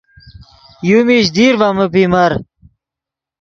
یو میش دیر ڤے من پیمر